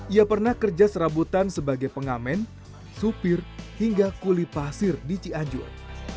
ia pernah kerja serabutan sebagai pengamen supir hingga kuli pasir di cianjur